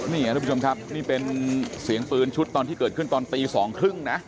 นี่ครับทุกผู้ชมครับนี่เป็นเสียงปืนชุดตอนที่เกิดขึ้นตอนตีสองครึ่งนะ